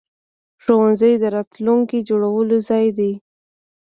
ښوونځی د راتلونکي جوړولو ځای دی.